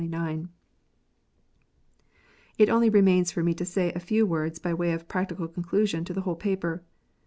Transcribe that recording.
Tt only remains for me now to say a few words by way of practical conclusion to the whole paper.